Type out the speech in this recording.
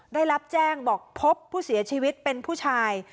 ได้รับแจ้งบอกพบผู้เสียชีวิตเป็นผู้ชาย